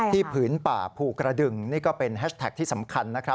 ผืนป่าภูกระดึงนี่ก็เป็นแฮชแท็กที่สำคัญนะครับ